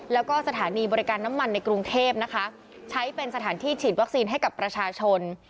แล้วก็สถานีบริการน้ำมันในกรุงเทพนะคะใช้เป็นสถานที่ฉีดวัคซีนให้กับประชาชน